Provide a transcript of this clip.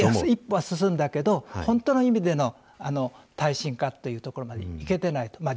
一歩は進んだけど本当の意味での耐震化というところまでいけてないと。